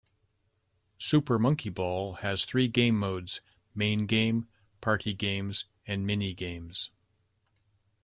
"Super Monkey Ball" has three game modes: main game, party games, and mini-games.